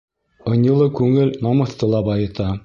Ынйылы күңел намыҫты ла байыта.